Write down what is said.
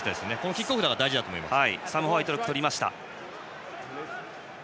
キックオフが大事だと思います。